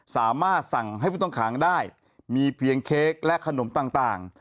สามารถสั่งให้ผู้ต้องขังได้มีเพียงเค้กและขนมต่าง